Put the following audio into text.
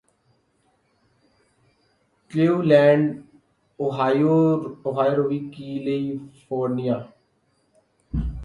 Cleveland Ohio Aruvi California